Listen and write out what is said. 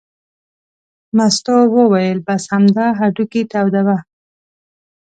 مستو وویل: بس همدا هډوکي تودوه.